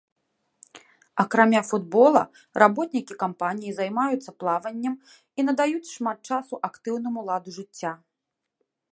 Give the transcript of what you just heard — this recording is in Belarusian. Акрамя футбола, работнікі кампаніі займаюцца плаваннем і надаюць шмат часу актыўнаму ладу жыцця.